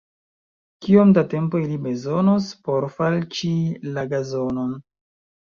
Kiom da tempo ili bezonos por falĉi la gazonon?